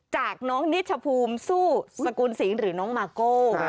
จากน้องนิชภูมิสู้สกุลสิงหรือน้องมาโก้